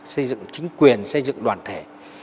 xây dựng chính quyền xây dựng đoàn thể